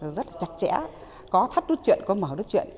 rất là chặt chẽ có thắt đút truyện có mở rộng rãi